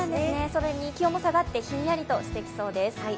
それに気温も下がって、ひんやりとしてきそうです。